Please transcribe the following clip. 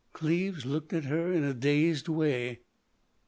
Cleves looked at her in a dazed way.